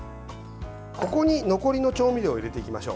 ここに残りの調味料を入れていきましょう。